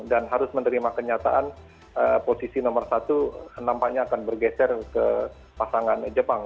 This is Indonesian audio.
dan harus menerima kenyataan posisi nomor satu nampaknya akan bergeser ke pasangan jepang